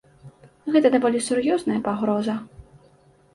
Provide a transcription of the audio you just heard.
Гэта даволі сур'ёзная пагроза.